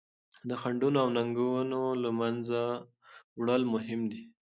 د خنډونو او ننګونو له منځه وړل مهم دي.